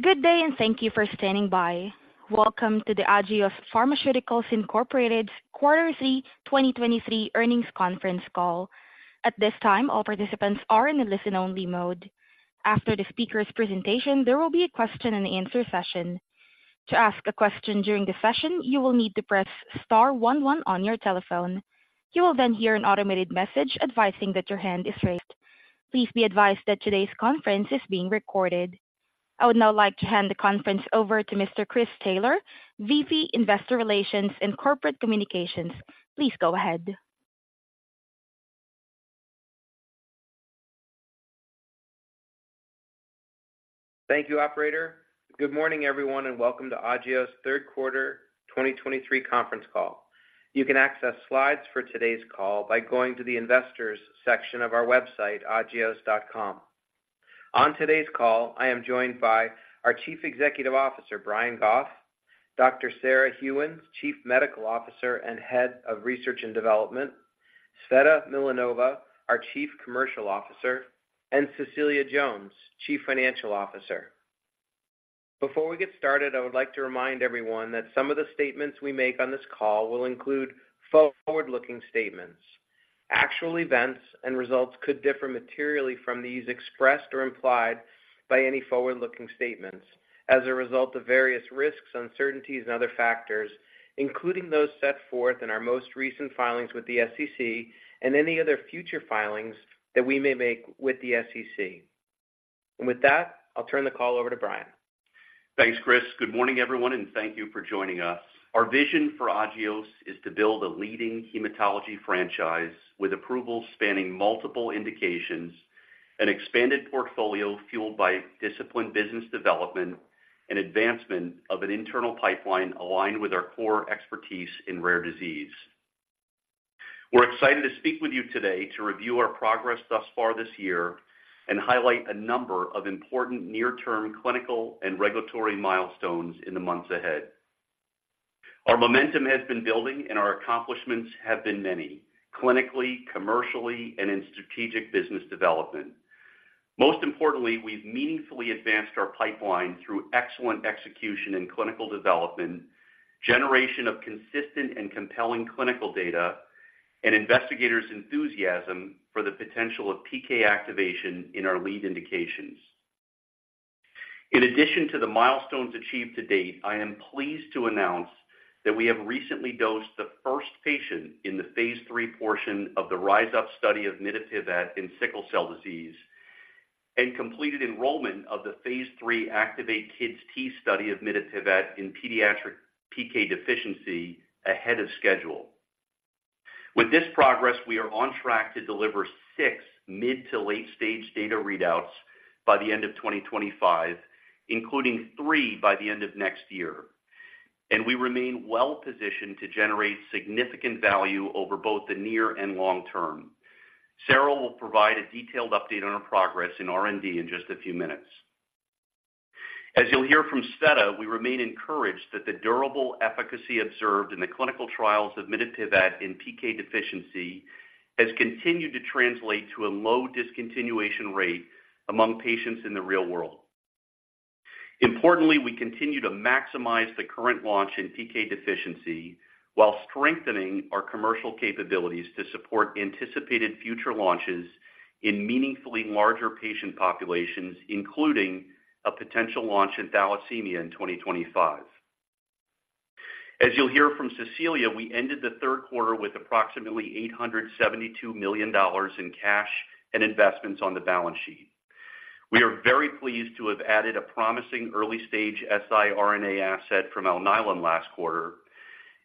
Good day, and thank you for standing by. Welcome to the Agios Pharmaceuticals Incorporated Quarterly 2023 Earnings Conference Call. At this time, all participants are in a listen-only mode. After the speaker's presentation, there will be a question-and-answer session. To ask a question during the session, you will need to press star one one on your telephone. You will then hear an automated message advising that your hand is raised. Please be advised that today's conference is being recorded. I would now like to hand the conference over to Mr. Chris Taylor, VP, Investor Relations and Corporate Communications. Please go ahead. Thank you, operator. Good morning, everyone, and welcome to Agios' third quarter 2023 conference call. You can access slides for today's call by going to the investors section of our website, agios.com. On today's call, I am joined by our Chief Executive Officer, Brian Goff, Dr. Sarah Gheuens, Chief Medical Officer and Head of Research and Development, Tsveta Milanova, our Chief Commercial Officer, and Cecilia Jones, Chief Financial Officer. Before we get started, I would like to remind everyone that some of the statements we make on this call will include forward-looking statements. Actual events and results could differ materially from these expressed or implied by any forward-looking statements as a result of various risks, uncertainties, and other factors, including those set forth in our most recent filings with the SEC and any other future filings that we may make with the SEC. With that, I'll turn the call over to Brian. Thanks, Chris. Good morning, everyone, and thank you for joining us. Our vision for Agios is to build a leading hematology franchise with approvals spanning multiple indications, an expanded portfolio fueled by disciplined business development and advancement of an internal pipeline aligned with our core expertise in rare disease. We're excited to speak with you today to review our progress thus far this year and highlight a number of important near-term clinical and regulatory milestones in the months ahead. Our momentum has been building, and our accomplishments have been many, clinically, commercially, and in strategic business development. Most importantly, we've meaningfully advanced our pipeline through excellent execution in clinical development, generation of consistent and compelling clinical data, and investigators' enthusiasm for the potential of PK activation in our lead indications. In addition to the milestones achieved to date, I am pleased to announce that we have recently dosed the first patient in the phase III portion of the RISE UP study of mitapivat in sickle cell disease and completed enrollment of the phase III ACTIVATE-KidsT study of mitapivat in pediatric PK deficiency ahead of schedule. With this progress, we are on track to deliver six mid- to late-stage data readouts by the end of 2025, including three by the end of next year, and we remain well-positioned to generate significant value over both the near and long term. Sarah will provide a detailed update on our progress in R&D in just a few minutes. As you'll hear from Tsveta, we remain encouraged that the durable efficacy observed in the clinical trials of mitapivat in PK deficiency has continued to translate to a low discontinuation rate among patients in the real world. Importantly, we continue to maximize the current launch in PK deficiency while strengthening our commercial capabilities to support anticipated future launches in meaningfully larger patient populations, including a potential launch in thalassemia in 2025. As you'll hear from Cecilia, we ended the third quarter with approximately $872 million in cash and investments on the balance sheet. We are very pleased to have added a promising early-stage siRNA asset from Alnylam last quarter,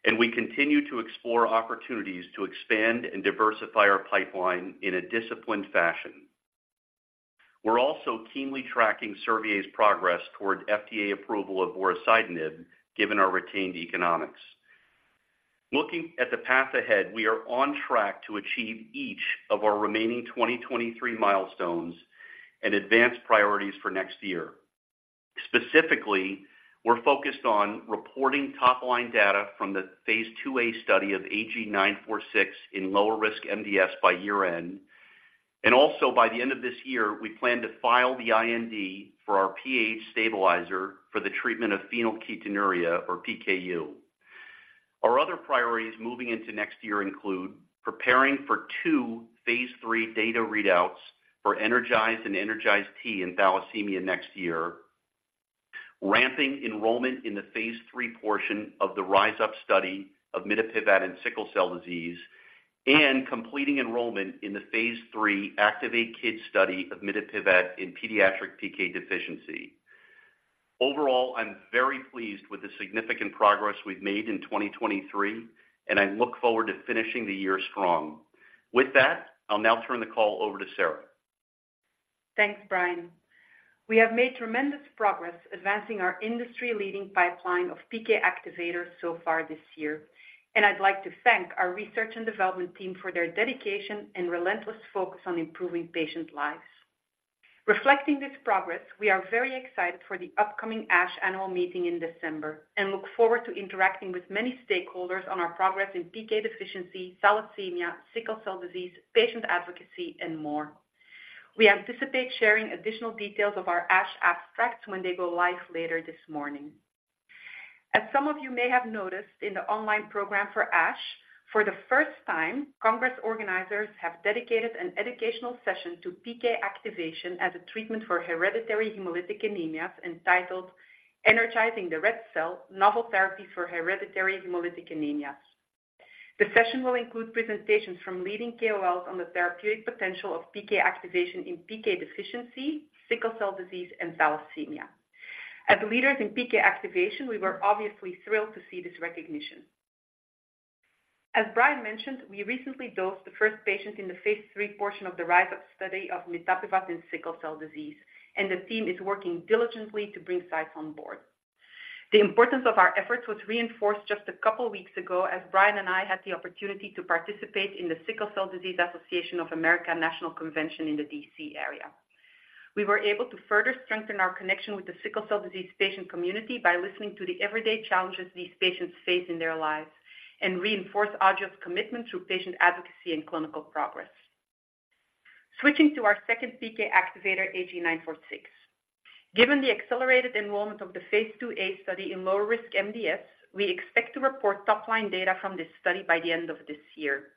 and we continue to explore opportunities to expand and diversify our pipeline in a disciplined fashion. We're also keenly tracking Servier's progress toward FDA approval of vorasidenib, given our retained economics. Looking at the path ahead, we are on track to achieve each of our remaining 2023 milestones and advance priorities for next year. Specifically, we're focused on reporting top-line data from the phase II-A study of AG-946 in lower-risk MDS by year-end. Also, by the end of this year, we plan to file the IND for our PAH stabilizer for the treatment of phenylketonuria or PKU. Our other priorities moving into next year include preparing for two phase III data readouts for ENERGIZE and ENERGIZE-T in thalassemia next year, ramping enrollment in the phase III portion of the RISE UP study of mitapivat in sickle cell disease, and completing enrollment in the phase III Activate Kids study of mitapivat in pediatric PK deficiency. Overall, I'm very pleased with the significant progress we've made in 2023, and I look forward to finishing the year strong. With that, I'll now turn the call over to Sarah. Thanks, Brian. We have made tremendous progress advancing our industry-leading pipeline of PK activators so far this year, and I'd like to thank our research and development team for their dedication and relentless focus on improving patients' lives. Reflecting this progress, we are very excited for the upcoming ASH annual meeting in December and look forward to interacting with many stakeholders on our progress in PK deficiency, thalassemia, sickle cell disease, patient advocacy, and more. We anticipate sharing additional details of our ASH abstracts when they go live later this morning.... As some of you may have noticed in the online program for ASH, for the first time, Congress organizers have dedicated an educational session to PK activation as a treatment for hereditary hemolytic anemias, entitled, Energizing the Red Cell: Novel Therapy for Hereditary Hemolytic Anemias. The session will include presentations from leading KOLs on the therapeutic potential of PK activation in PK deficiency, sickle cell disease, and thalassemia. As leaders in PK activation, we were obviously thrilled to see this recognition. As Brian mentioned, we recently dosed the first patient in the phase III portion of the RISE UP study of mitapivat in sickle cell disease, and the team is working diligently to bring sites on board. The importance of our efforts was reinforced just a couple weeks ago, as Brian and I had the opportunity to participate in the Sickle Cell Disease Association of America National Convention in the D.C. area. We were able to further strengthen our connection with the sickle cell disease patient community by listening to the everyday challenges these patients face in their lives, and reinforce Agios's commitment to patient advocacy and clinical progress. Switching to our second PK activator, AG-946. Given the accelerated enrollment of the phase II-A study in low-risk MDS, we expect to report top-line data from this study by the end of this year.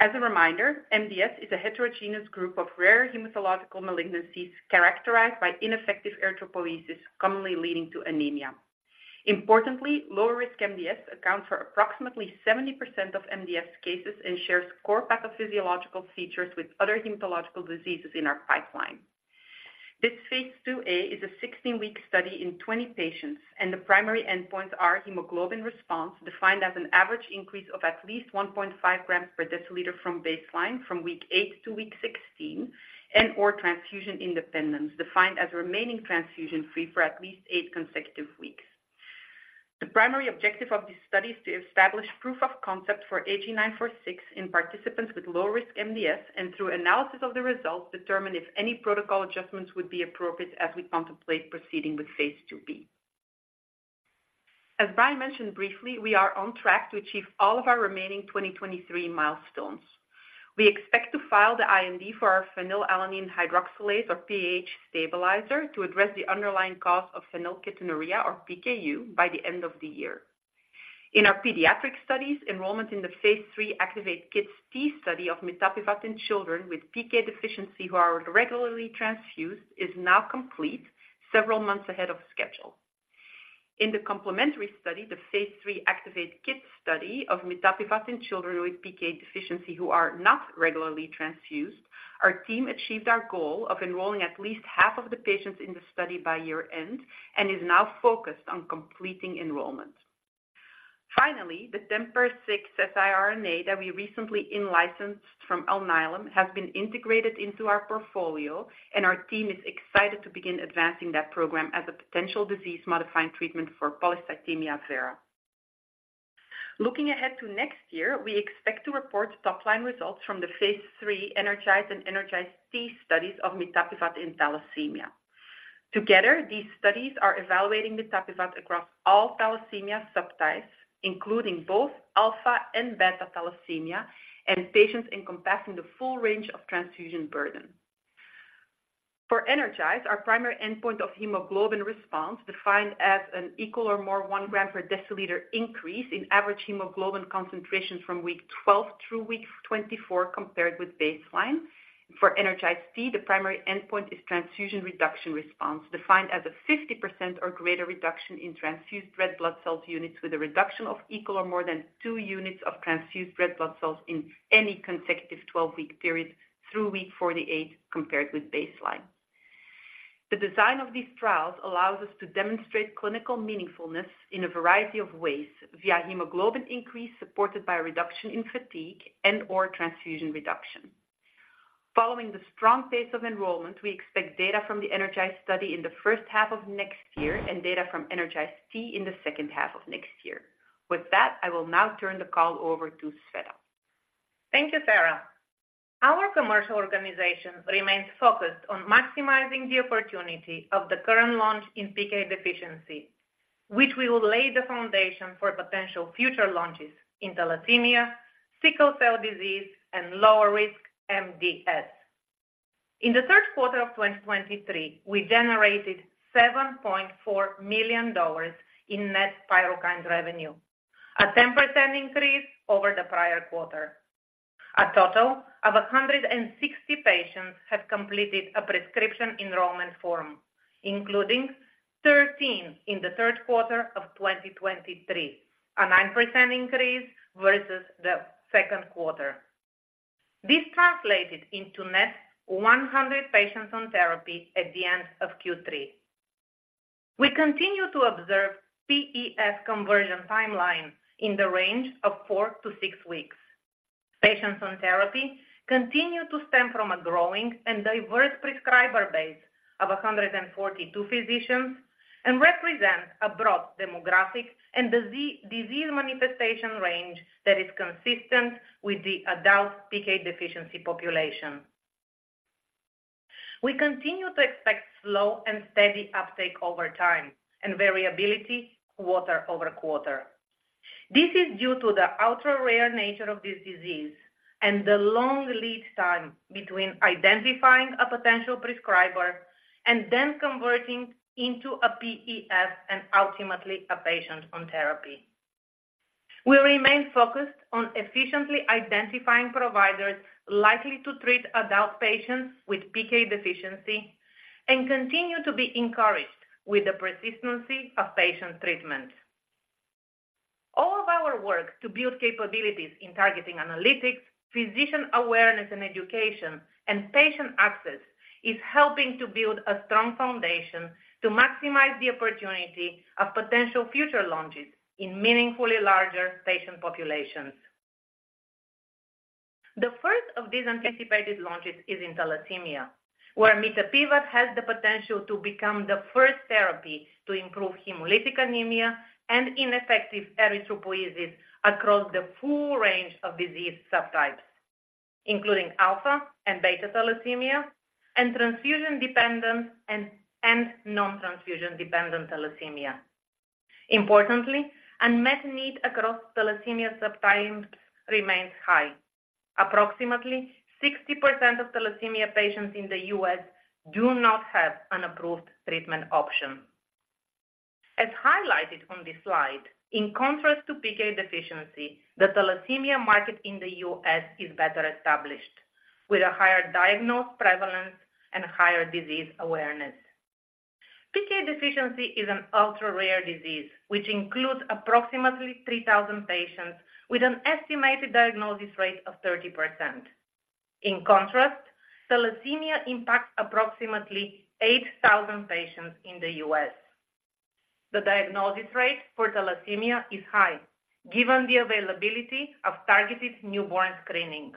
As a reminder, MDS is a heterogeneous group of rare hematological malignancies characterized by ineffective erythropoiesis, commonly leading to anemia. Importantly, lower-risk MDS accounts for approximately 70% of MDS cases and shares core pathophysiological features with other hematological diseases in our pipeline. This phase II-A is a 16-week study in 20 patients, and the primary endpoints are hemoglobin response, defined as an average increase of at least 1.5 grams per deciliter from baseline from week 8-week 16, and/or transfusion independence, defined as remaining transfusion-free for at least eight consecutive weeks. The primary objective of this study is to establish proof of concept for AG-946 in participants with lower-risk MDS, and through analysis of the results, determine if any protocol adjustments would be appropriate as we contemplate proceeding with phase II-B. As Brian mentioned briefly, we are on track to achieve all of our remaining 2023 milestones. We expect to file the IND for our phenylalanine hydroxylase or PAH stabilizer to address the underlying cause of phenylketonuria or PKU by the end of the year. In our pediatric studies, enrollment in the phase III Activate-KidsT study of mitapivat in children with PK deficiency who are regularly transfused, is now complete several months ahead of schedule. In the complementary study, the phase III Activate Kids study of mitapivat in children with PK deficiency who are not regularly transfused, our team achieved our goal of enrolling at least half of the patients in the study by year-end, and is now focused on completing enrollment. Finally, the TMPRSS6 siRNA that we recently in-licensed from Alnylam, has been integrated into our portfolio, and our team is excited to begin advancing that program as a potential disease-modifying treatment for polycythemia vera. Looking ahead to next year, we expect to report top-line results from the phase III ENERGIZE and ENERGIZE-T studies of mitapivat in thalassemia. Together, these studies are evaluating mitapivat across all thalassemia subtypes, including both alpha and beta thalassemia, and patients encompassing the full range of transfusion burden. For ENERGIZE, our primary endpoint of hemoglobin response, defined as an equal or more one gram per deciliter increase in average hemoglobin concentration from week 12 through week 24, compared with baseline. For ENERGIZE-T, the primary endpoint is transfusion reduction response, defined as a 50% or greater reduction in transfused red blood cells units, with a reduction of equal or more than 2 units of transfused red blood cells in any consecutive 12-week period through week 48 compared with baseline. The design of these trials allows us to demonstrate clinical meaningfulness in a variety of ways, via hemoglobin increase, supported by a reduction in fatigue and/or transfusion reduction. Following the strong pace of enrollment, we expect data from the ENERGIZE study in the first half of next year, and data from the ENERGIZE-T in the second half of next year. With that, I will now turn the call over to Tsveta. Thank you, Sarah. Our commercial organization remains focused on maximizing the opportunity of the current launch in PK deficiency, which will lay the foundation for potential future launches in thalassemia, sickle cell disease, and lower-risk MDS. In the third quarter of 2023, we generated $7.4 million in net PYRUKYND revenue, a 10% increase over the prior quarter. A total of 160 patients have completed a prescription enrollment form, including 13 patients in the third quarter of 2023, a 9% increase versus the second quarter. This translated into net 100 patients on therapy at the end of Q3. We continue to observe PEF conversion timeline in the range of four to six weeks. Patients on therapy continue to stem from a growing and diverse prescriber base of 142 physicians and represent a broad demographic and disease manifestation range that is consistent with the adult PK deficiency population. We continue to expect slow and steady uptake over time and variability quarter over quarter. This is due to the ultra-rare nature of this disease and the long lead time between identifying a potential prescriber and then converting into a PEF and ultimately a patient on therapy. We remain focused on efficiently identifying providers likely to treat adult patients with PK deficiency, and continue to be encouraged with the persistency of patient treatment. All of our work to build capabilities in targeting analytics, physician awareness and education, and patient access, is helping to build a strong foundation to maximize the opportunity of potential future launches in meaningfully larger patient populations. The first of these anticipated launches is in thalassemia, where mitapivat has the potential to become the first therapy to improve hemolytic anemia and ineffective erythropoiesis across the full range of disease subtypes, including alpha and beta thalassemia, and transfusion-dependent and non-transfusion-dependent thalassemia. Importantly, unmet need across thalassemia subtypes remains high. Approximately 60% of thalassemia patients in the U.S. do not have an approved treatment option. As highlighted on this slide, in contrast to PK deficiency, the thalassemia market in the U.S. is better established, with a higher diagnosed prevalence and higher disease awareness. PK deficiency is an ultra-rare disease, which includes approximately 3,000 patients with an estimated diagnosis rate of 30%. In contrast, thalassemia impacts approximately 8,000 patients in the U.S. The diagnosis rate for thalassemia is high, given the availability of targeted newborn screening.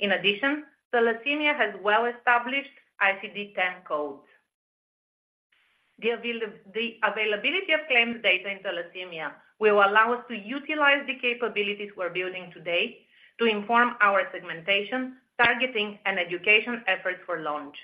In addition, thalassemia has well-established ICD-10 codes. The availability of claims data in thalassemia will allow us to utilize the capabilities we're building today to inform our segmentation, targeting, and education efforts for launch.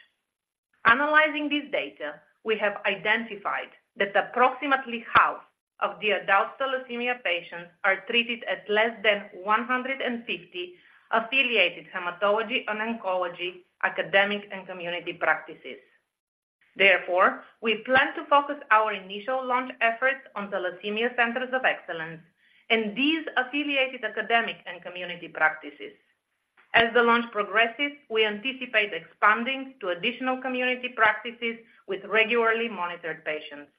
Analyzing this data, we have identified that approximately half of the adult thalassemia patients are treated at less than 150 affiliated hematology and oncology, academic, and community practices. Therefore, we plan to focus our initial launch efforts on thalassemia centers of excellence and these affiliated academic and community practices. As the launch progresses, we anticipate expanding to additional community practices with regularly monitored patients.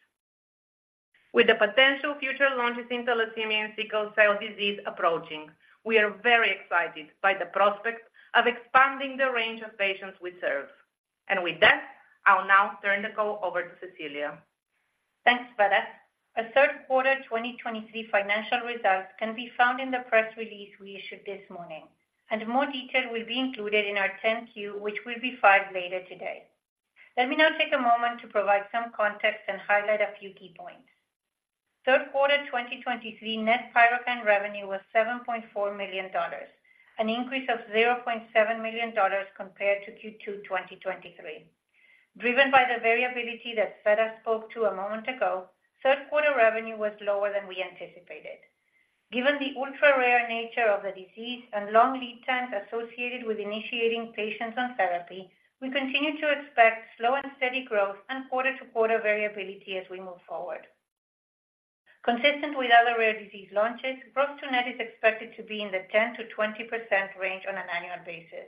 With the potential future launches in thalassemia and sickle cell disease approaching, we are very excited by the prospect of expanding the range of patients we serve. With that, I'll now turn the call over to Cecilia. Thanks, Tsveta. Our third quarter 2023 financial results can be found in the press release we issued this morning, and more detail will be included in our 10-Q, which will be filed later today. Let me now take a moment to provide some context and highlight a few key points. Third quarter 2023 net PYRUKYND revenue was $7.4 million, an increase of $0.7 million compared to Q2 2023. Driven by the variability that Tsveta spoke to a moment ago, third quarter revenue was lower than we anticipated. Given the ultra-rare nature of the disease and long lead times associated with initiating patients on therapy, we continue to expect slow and steady growth and quarter-to-quarter variability as we move forward. Consistent with other rare disease launches, gross to net is expected to be in the 10%-20% range on an annual basis.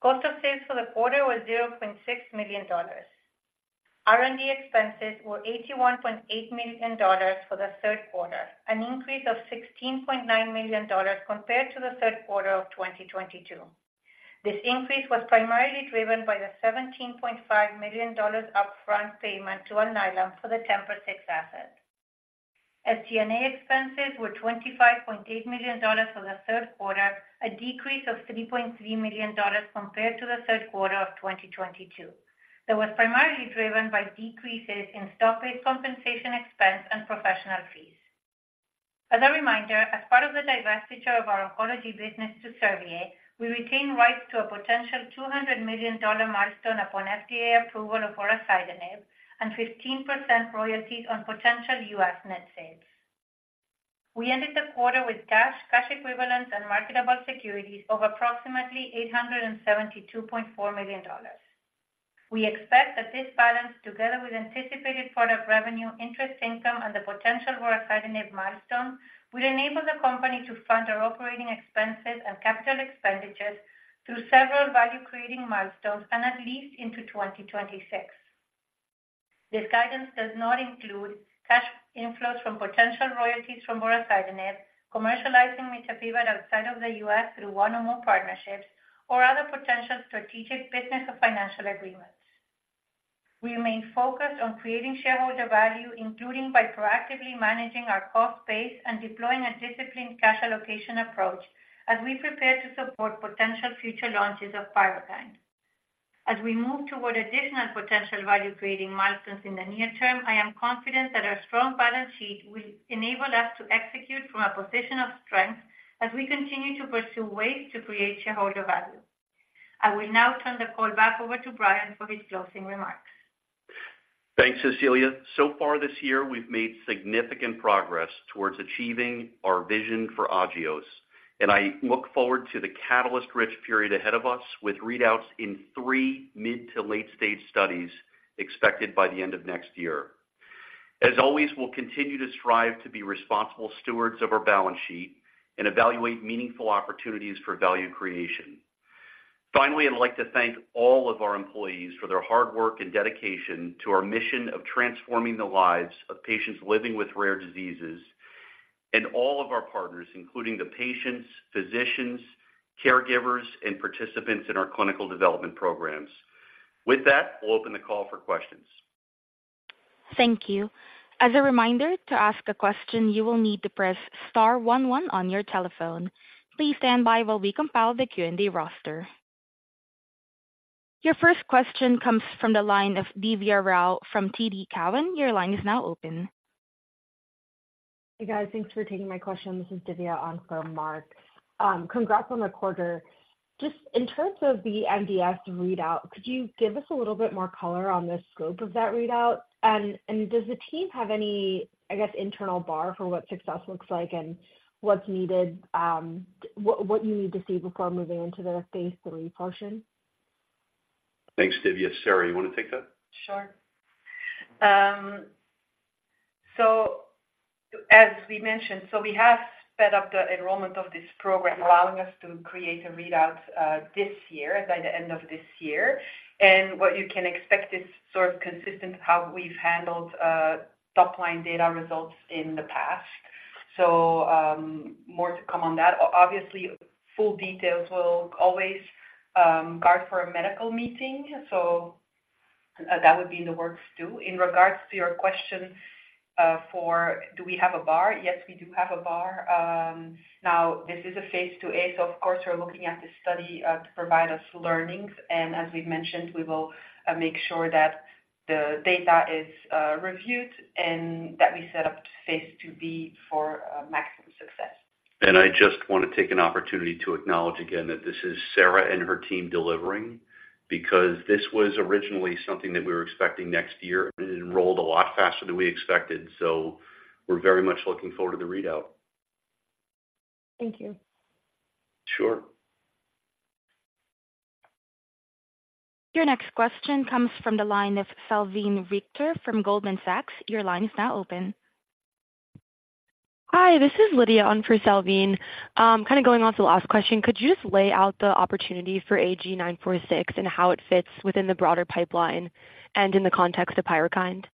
Cost of sales for the quarter was $0.6 million. R&D expenses were $81.8 million for the third quarter, an increase of $16.9 million compared to the third quarter of 2022. This increase was primarily driven by the $17.5 million upfront payment to Alnylam for the TMPRSS6 asset. SG&A expenses were $25.8 million for the third quarter, a decrease of $3.3 million compared to the third quarter of 2022. That was primarily driven by decreases in stock-based compensation expense and professional fees. As a reminder, as part of the divestiture of our oncology business to Servier, we retain rights to a potential $200 million milestone upon FDA approval of vorasidenib, and 15% royalties on potential U.S. net sales. We ended the quarter with cash, cash equivalents, and marketable securities of approximately $872.4 million. We expect that this balance, together with anticipated product revenue, interest income, and the potential vorasidenib milestone, will enable the company to fund our operating expenses and capital expenditures through several value-creating milestones and at least into 2026. This guidance does not include cash inflows from potential royalties from vorasidenib, commercializing mitapivat outside of the U.S. through one or more partnerships, or other potential strategic business or financial agreements. We remain focused on creating shareholder value, including by proactively managing our cost base and deploying a disciplined cash allocation approach as we prepare to support potential future launches of PYRUKYND. As we move toward additional potential value-creating milestones in the near term, I am confident that our strong balance sheet will enable us to execute from a position of strength as we continue to pursue ways to create shareholder value. I will now turn the call back over to Brian for his closing remarks.... Thanks, Cecilia. So far this year, we've made significant progress towards achieving our vision for Agios, and I look forward to the catalyst-rich period ahead of us, with readouts in three mid- to late-stage studies expected by the end of next year. As always, we'll continue to strive to be responsible stewards of our balance sheet and evaluate meaningful opportunities for value creation. Finally, I'd like to thank all of our employees for their hard work and dedication to our mission of transforming the lives of patients living with rare diseases, and all of our partners, including the patients, physicians, caregivers, and participants in our clinical development programs. With that, we'll open the call for questions. Thank you. As a reminder, to ask a question, you will need to press star one one on your telephone. Please stand by while we compile the Q&A roster. Your first question comes from the line of Divya Rao from TD Cowen. Your line is now open. Hey, guys. Thanks for taking my question. This is Divya on for Mark. Congrats on the quarter. Just in terms of the MDS readout, could you give us a little bit more color on the scope of that readout? And does the team have any, I guess, internal bar for what success looks like and what's needed, what you need to see before moving into the phase III portion? Thanks, Divya. Sarah, you want to take that? Sure. So as we mentioned, so we have sped up the enrollment of this program, allowing us to create a readout, this year, by the end of this year. And what you can expect is sort of consistent with how we've handled, top-line data results in the past. So, more to come on that. Obviously, full details will always, guard for a medical meeting, so that would be in the works, too. In regards to your question, for do we have a bar? Yes, we do have a bar. Now, this is a phase II-A, so of course, we're looking at the study, to provide us learnings. And as we've mentioned, we will, make sure that the data is, reviewed and that we set up phase II-B for, maximum success. I just want to take an opportunity to acknowledge again that this is Sarah and her team delivering, because this was originally something that we were expecting next year, and it enrolled a lot faster than we expected. We're very much looking forward to the readout. Thank you. Sure. Your next question comes from the line of Salveen Richter from Goldman Sachs. Your line is now open. Hi, this is Lydia on for Salveen. Kind of going on to the last question, could you just lay out the opportunity for AG-946 and how it fits within the broader pipeline and in the context of PYRUKYND?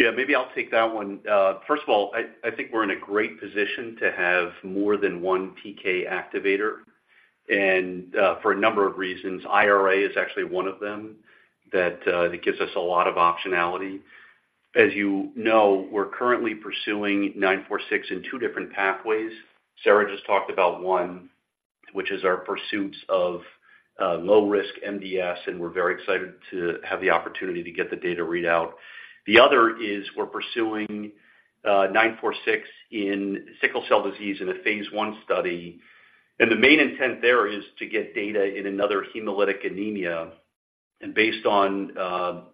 Yeah, maybe I'll take that one. First of all, I, I think we're in a great position to have more than one PK activator, and, for a number of reasons. IRA is actually one of them, that, it gives us a lot of optionality. As you know, we're currently pursuing 946 in two different pathways. Sarah just talked about one, which is our pursuits of, low-risk MDS, and we're very excited to have the opportunity to get the data readout. The other is we're pursuing, 946 in sickle cell disease in a phase I study, and the main intent there is to get data in another hemolytic anemia. And based on,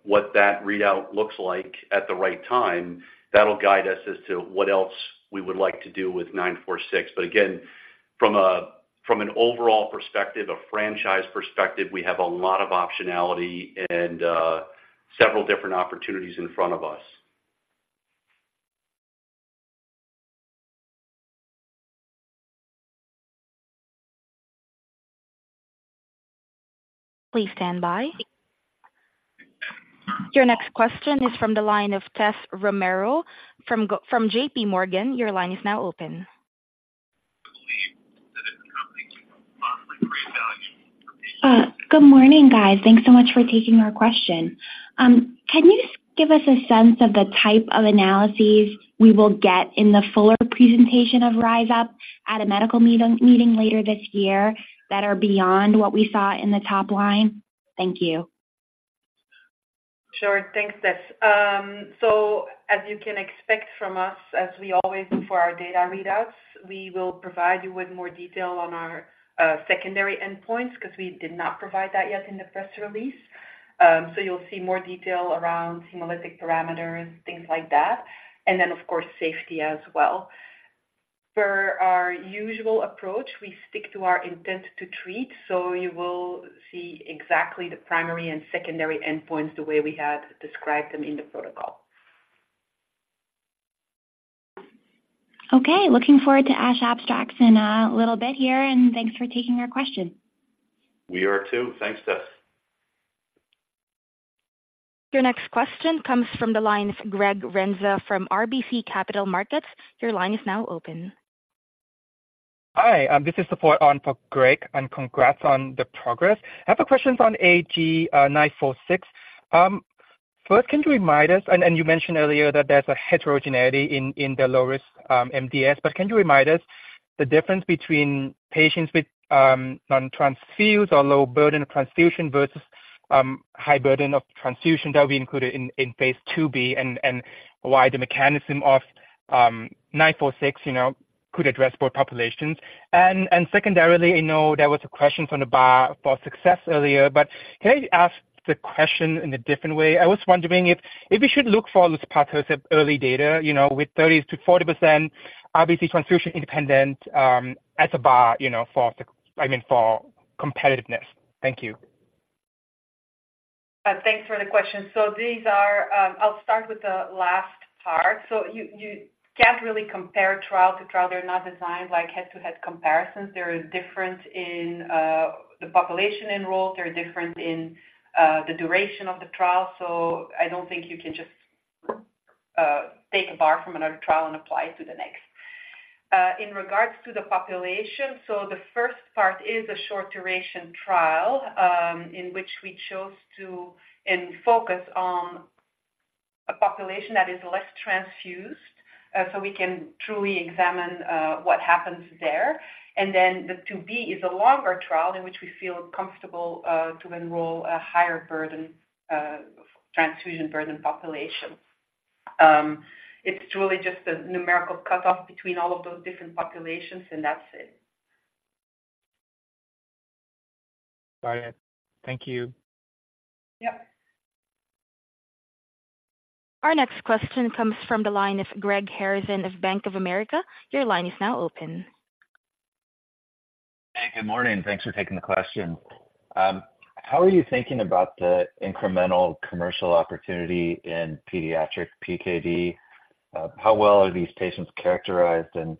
what that readout looks like at the right time, that'll guide us as to what else we would like to do with 946. But again, from a, from an overall perspective, a franchise perspective, we have a lot of optionality and several different opportunities in front of us. Please stand by. Your next question is from the line of Tess Romero from JP Morgan. Your line is now open. Good morning, guys. Thanks so much for taking my question. Can you just give us a sense of the type of analyses we will get in the fuller presentation of RISE UP at a medical meeting later this year that are beyond what we saw in the top line? Thank you. Sure. Thanks, Tess. So as you can expect from us, as we always do for our data readouts, we will provide you with more detail on our secondary endpoints, because we did not provide that yet in the press release. So you'll see more detail around hemolytic parameters, things like that, and then, of course, safety as well. Per our usual approach, we stick to our intent to treat, so you will see exactly the primary and secondary endpoints the way we had described them in the protocol. Okay. Looking forward to ASH abstracts in a little bit here, and thanks for taking our question. We are too. Thanks, Tess. Your next question comes from the line of Greg Renza from RBC Capital Markets. Your line is now open. Hi, this is standing in for Greg, and congrats on the progress. I have a question on AG-946. First, can you remind us, and you mentioned earlier that there's a heterogeneity in the low-risk MDS, but can you remind us the difference between patients with non-transfuse or low burden of transfusion versus high burden of transfusion that we included in phase II-B, and why the mechanism of AG-946, you know, could address both populations. And secondarily, I know there was a question from the bar for success earlier, but can I ask the question in a different way? I was wondering if we should look for luspatercept early data, you know, with 30%-40%, obviously transfusion independent, as a bar, you know, for the, I mean, for competitiveness. Thank you. Thanks for the question. So these are, I'll start with the last part. So you, you can't really compare trial to trial. They're not designed like head-to-head comparisons. They're different in, the population enrolled. They're different in, the duration of the trial. So I don't think you can just, take a bar from another trial and apply it to the next. In regards to the population, so the first part is a short duration trial, in which we chose to, and focus on a population that is less transfused, so we can truly examine, what happens there. And then the two B is a longer trial in which we feel comfortable, to enroll a higher burden, transfusion burden population. It's truly just a numerical cutoff between all of those different populations, and that's it. Got it. Thank you. Yeah. Our next question comes from the line of Greg Harrison of Bank of America. Your line is now open. Hey, good morning. Thanks for taking the question. How are you thinking about the incremental commercial opportunity in pediatric PKD? How well are these patients characterized, and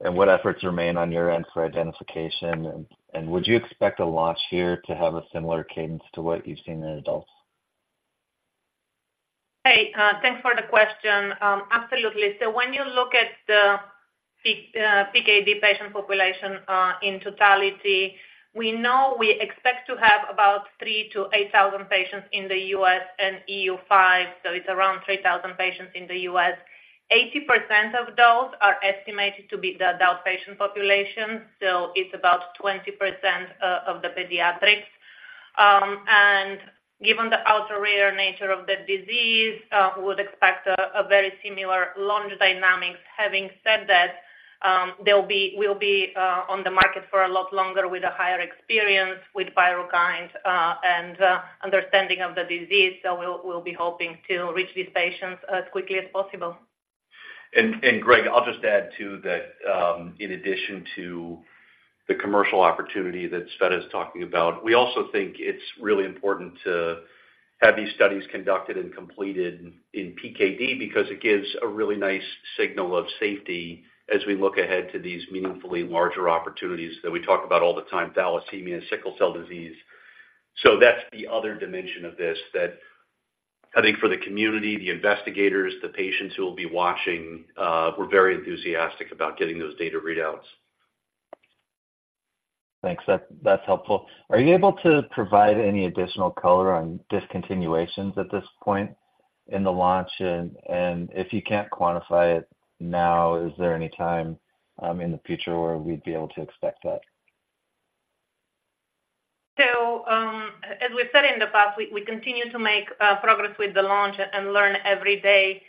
what efforts remain on your end for identification? And would you expect a launch here to have a similar cadence to what you've seen in adults? Hey, thanks for the question. Absolutely. So when you look at the PKD patient population in totality, we know we expect to have about 3-8 thousand patients in the US and EU5, so it's around 3,000 patients in the US. 80% of those are estimated to be the adult patient population, so it's about 20%, of the pediatrics. And given the ultra-rare nature of the disease, we would expect a very similar launch dynamics. Having said that, there'll be, we'll be on the market for a lot longer with a higher experience with PYRUKYND and understanding of the disease. So we'll be hoping to reach these patients as quickly as possible. And Greg, I'll just add, too, that in addition to the commercial opportunity that Tsveta is talking about, we also think it's really important to have these studies conducted and completed in PKD because it gives a really nice signal of safety as we look ahead to these meaningfully larger opportunities that we talk about all the time, thalassemia, sickle cell disease. So that's the other dimension of this, that I think for the community, the investigators, the patients who will be watching, we're very enthusiastic about getting those data readouts. Thanks. That's helpful. Are you able to provide any additional color on discontinuations at this point in the launch? And if you can't quantify it now, is there any time in the future where we'd be able to expect that? So, as we've said in the past, we continue to make progress with the launch and learn every day.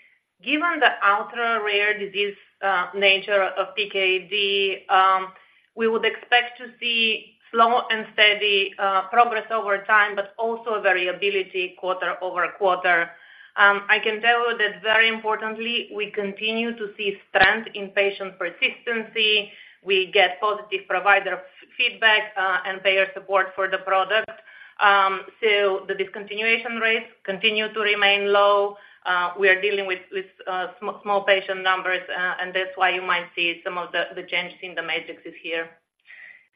Given the ultra-rare disease nature of PKD, we would expect to see slow and steady progress over time, but also variability quarter over quarter. I can tell you that very importantly, we continue to see strength in patient persistency. We get positive provider feedback and payer support for the product. So the discontinuation rates continue to remain low. We are dealing with small patient numbers, and that's why you might see some of the changes in the metrics here.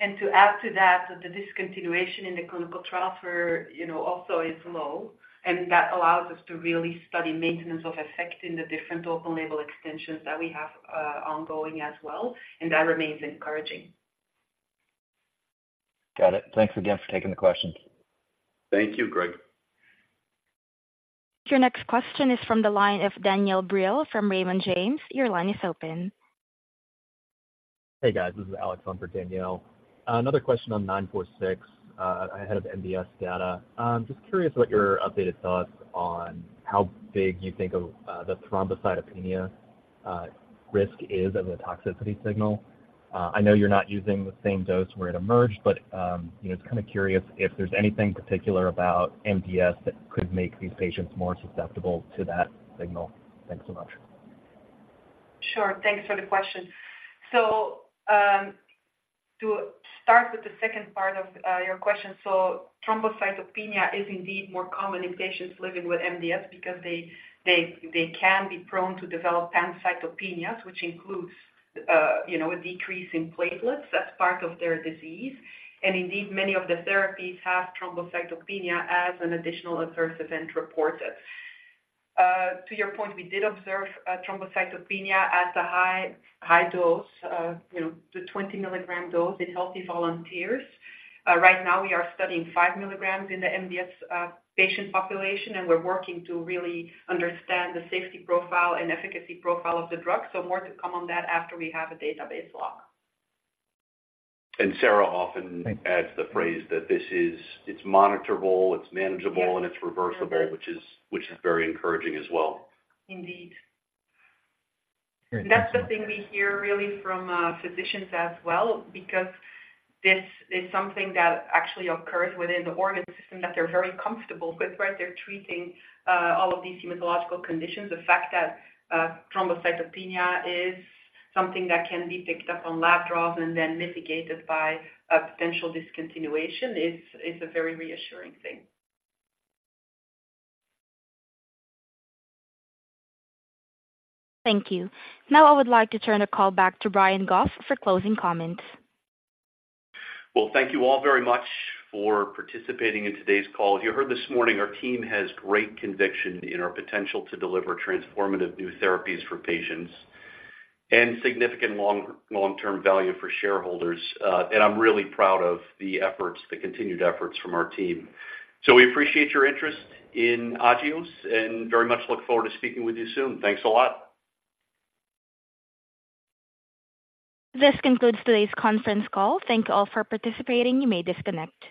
To add to that, the discontinuation in the clinical trials were, you know, also is low, and that allows us to really study maintenance of effect in the different open label extensions that we have ongoing as well, and that remains encouraging. Got it. Thanks again for taking the questions. Thank you, Greg. Your next question is from the line of Danielle Brill from Raymond James. Your line is open. Hey, guys. This is Alex on for Danielle. Another question on 946, ahead of MDS data. Just curious what your updated thoughts on how big you think of the thrombocytopenia risk is as a toxicity signal. I know you're not using the same dose where it emerged, but you know, just kind of curious if there's anything particular about MDS that could make these patients more susceptible to that signal. Thanks so much. Sure. Thanks for the question. So, to start with the second part of your question, so thrombocytopenia is indeed more common in patients living with MDS because they can be prone to develop pancytopenias, which includes, you know, a decrease in platelets. That's part of their disease. And indeed, many of the therapies have thrombocytopenia as an additional adverse event reported. To your point, we did observe thrombocytopenia at a high, high dose, you know, the 20 milligram dose in healthy volunteers. Right now, we are studying 5 milligrams in the MDS patient population, and we're working to really understand the safety profile and efficacy profile of the drug. So more to come on that after we have a database lock. Sarah often adds the phrase that this is... it's monitorable, it's manageable, and it's reversible, which is very encouraging as well. Indeed. Great. That's the thing we hear really from physicians as well, because this is something that actually occurs within the organ system that they're very comfortable with, right? They're treating all of these hematological conditions. The fact that thrombocytopenia is something that can be picked up on lab draws and then mitigated by a potential discontinuation is a very reassuring thing. Thank you. Now I would like to turn the call back to Brian Goff for closing comments. Well, thank you all very much for participating in today's call. You heard this morning our team has great conviction in our potential to deliver transformative new therapies for patients and significant long, long-term value for shareholders. And I'm really proud of the efforts, the continued efforts from our team. So we appreciate your interest in Agios and very much look forward to speaking with you soon. Thanks a lot. This concludes today's conference call. Thank you all for participating. You may disconnect.